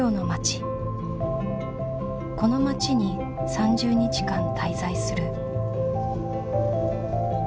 この町に３０日間滞在する。